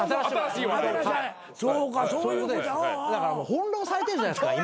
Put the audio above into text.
翻弄されてるじゃないですか